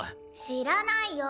知らないよ！